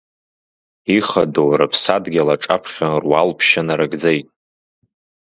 Ихадоу рыԥсадгьыл аҿаԥхьа руалԥшьа нарыгӡеит.